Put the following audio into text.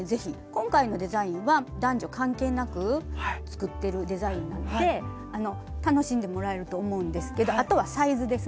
今回のデザインは男女関係なく作ってるデザインなので楽しんでもらえると思うんですけどあとはサイズですね。